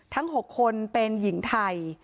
ทั้ง๖คนเป็นหญิงไทย